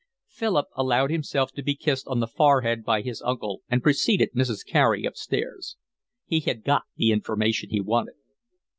Philip allowed himself to be kissed on the forehead by his uncle and preceded Mrs. Carey upstairs. He had got the information he wanted.